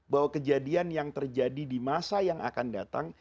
bahwa kejadian yang terjadi di masa yang akan datang